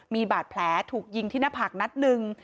มีบาดแผลถูกยิงที่หน้าผากนัดหนึ่ง